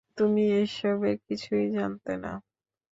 তুমি এসবের কিছুই জানতে না?